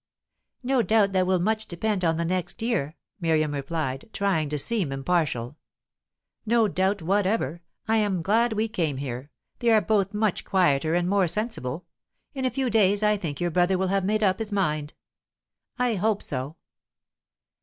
"No doubt that will much depend on the next year," Miriam replied, trying to seem impartial. "No doubt whatever. I am glad we came here. They are both much quieter and more sensible. In a few days I think your brother will have made up his mind." "I hope so."